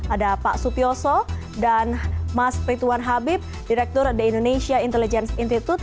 ada pak sutioso dan mas rituan habib direktur the indonesia intelligence institute